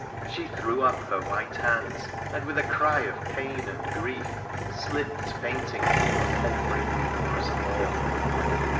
She threw up her white hands, and, wit ft cry of pain and grief, slipped fainting from her palfrey befo: us all.